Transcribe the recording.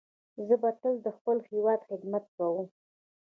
زه به تل د خپل هیواد خدمت کوم.